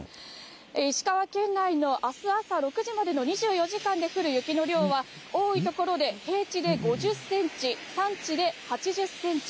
石川県内のあす朝６時までの２４時間で降る雪の量は、多い所で平地で５０センチ、山地で８０センチ。